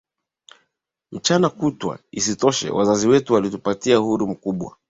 mchana kutwa Isitoshe wazazi wetu walitupatia uhuru mkubwa